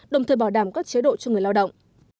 đồng thời bảo đảm các chế độ cho người lao động